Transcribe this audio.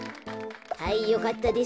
はいよかったですね。